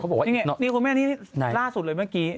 บอกว่านี่คุณแม่นี่ล่าสุดเลยเมื่อกี้